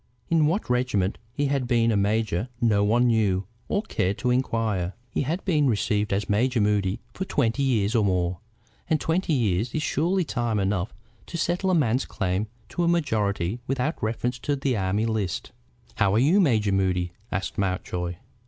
In what regiment he had been a major no one knew or cared to inquire. He had been received as Major Moody for twenty years or more, and twenty years is surely time enough to settle a man's claim to a majority without reference to the Army List. "How are you, Major Moody?" asked Mountjoy.